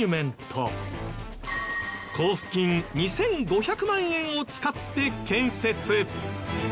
交付金２５００万円を使って建設。